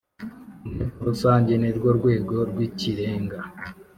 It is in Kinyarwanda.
Inteko Rusange nirwo rwego rw ikirenga